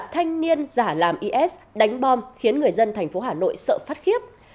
thanh niên giả làm is đánh bom khiến người dân thành phố hà nội sợ phát khiếp